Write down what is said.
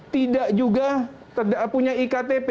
tidak juga punya iktp